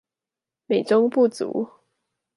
美中不足